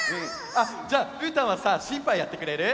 あじゃあうーたんはさしんぱんやってくれる？